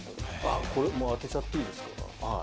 これもう当てちゃっていいですか？